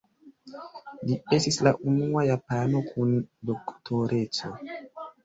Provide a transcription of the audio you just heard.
Li estis la unua japano kun Doktoreco.